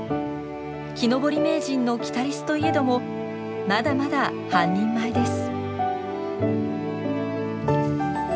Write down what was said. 木登り名人のキタリスといえどもまだまだ半人前です。